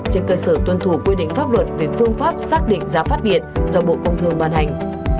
trên cơ sở tuân thủ quy định pháp luật về phương pháp xác định giá phát điện do bộ công thương ban hành